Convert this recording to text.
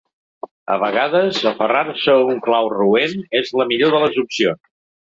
A vegades, aferrar-se a un clau roent és la millor de les opcions.